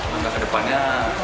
mungkin ke depannya